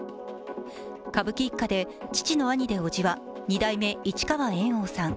歌舞伎一家で父の兄でおじは、二代目・市川猿翁さん。